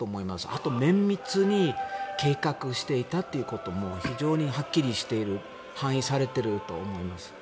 あと綿密に計画していたということも非常にはっきりしている反映されていると思います。